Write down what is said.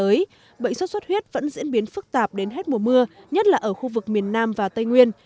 tuy nhiên bệnh sốt xuất huyết vẫn diễn biến phức tạp đến hết mùa mưa nhất là ở khu vực miền nam và tây nguyên